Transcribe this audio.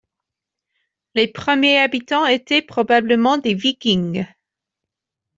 Les premiers habitants étaient probablement des Vikings.